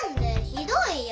ひどいよ。